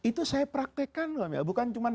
itu saya praktekkan bukan cuman